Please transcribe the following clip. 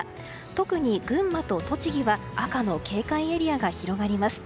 特に群馬と栃木は赤の警戒エリアが広がります。